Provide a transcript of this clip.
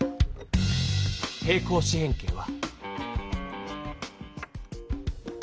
平行四辺形は。